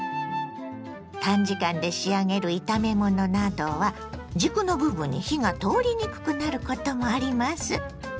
短時間で仕上げる炒め物などは軸の部分に火が通りにくくなることもあります。